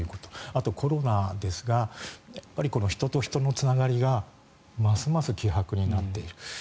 あと、コロナですが人と人のつながりがますます希薄になっている。